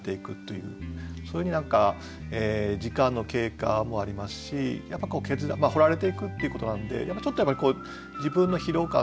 そういうふうに何か時間の経過もありますしやっぱ掘られていくっていうことなのでちょっとやっぱり自分の疲労感とかもね